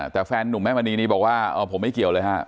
แต่แฟนนุ่มแม่มณีนี้บอกว่าผมไม่เกี่ยวเลยฮะ